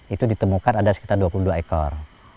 itu ditemukan ada sekitar dua puluh dua ekor